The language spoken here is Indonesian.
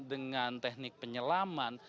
dengan teknik penyelaman